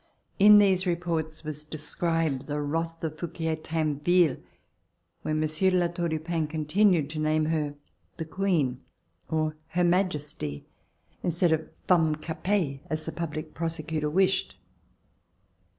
In these reports was described the w rath of Fouquier Tinville when Mon sieur de La Tour du Pin continued to name her "The Queen," or "Her Majesty," instead of "Femme Capet," as the public prosecutor wished.